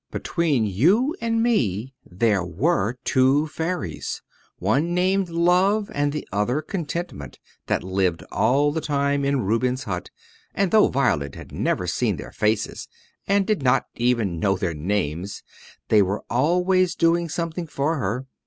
Between you and me, there were two fairies one named Love and the other Contentment that lived all the time in Reuben's hut; and though Violet had never seen their faces, and did not even know their names, they were always doing something for her.